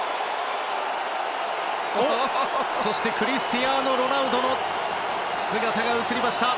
そしてクリスティアーノ・ロナウドの姿が映りました！